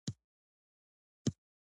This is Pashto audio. د لومړنیو ستورو عمر یو سل ملیونه کاله و.